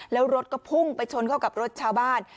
แล้วรถก็พุ่งไปชนเข้ากับรถชาวบ้าน